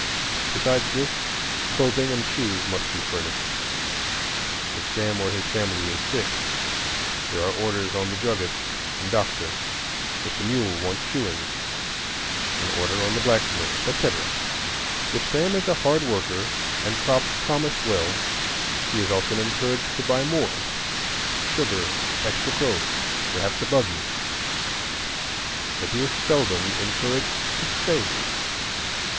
Besides this, clothing and shoes must be furnished; if Sam or his family is sick, there are orders on the druggist and doctor; if the mule wants shoeing, an order on the blacksmith, etc. If Sam is a hard worker and crops promise well, he is often encouraged to buy more,—sugar, extra clothes, perhaps a buggy. But he is seldom encouraged to save.